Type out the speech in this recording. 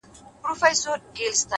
صبر د لویو لاسته راوړنو بنسټ دی’